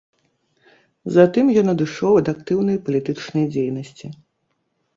Затым ён адышоў ад актыўнай палітычнай дзейнасці.